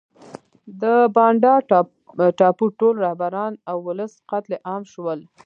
د بانډا ټاپو ټول رهبران او ولس قتل عام شول.